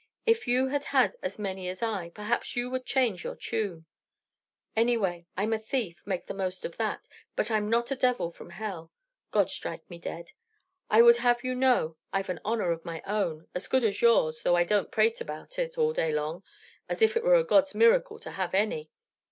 If you had had as many as I, perhaps you would change your tune. Anyway, I'm a thief make the most of that but I'm not a devil from hell, God strike me dead. I would have you to know I've an honor of my own, as good as yours, though I don't prate about it all day long, as if it were a God's miracle to have any.